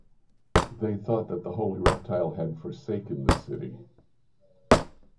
They thought that the holy reptile had forsaken the city.